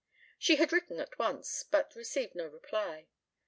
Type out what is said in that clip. She had written at once, but received no reply.